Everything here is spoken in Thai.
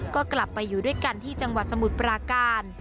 ก็กลับไปอยู่ด้วยกันที่จังหวัดสมุทรปราการ